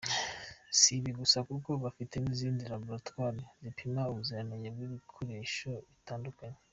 Si ibi gusa kuko bafite n’izindi Laboratwari zipima ubuzirange bw’ibikoresho bitandukanye.